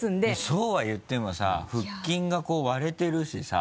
そうは言ってもさ腹筋がこう割れてるしさ。